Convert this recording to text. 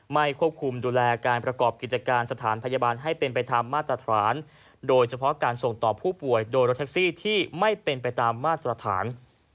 ไม่ควบคุมดูแลการประกอบกิจการสถานพยาบาลให้เป็นไปตามมาตรฐานโดยเฉพาะการส่งต่อผู้ป่วยโดยรถแท็กซี่ที่ไม่เป็นไปตามมาตรฐาน